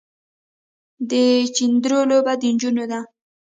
د چيندرو لوبه د نجونو ده.